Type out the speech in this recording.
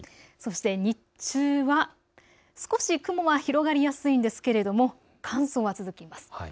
そして日中は少し雲は広がりやすいんですが乾燥は続きます。